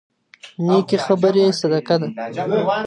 نيکې خبرې صدقه ده.